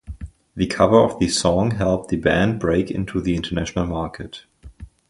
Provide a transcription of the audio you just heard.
The cover of the song helped the band break into the international market.